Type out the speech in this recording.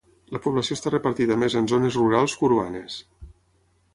La població està repartida més en zones rurals que urbanes.